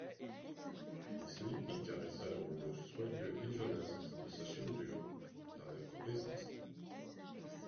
Ensuite il caressa le rouleau soyeux et jaunâtre de sa chevelure, avec complaisance.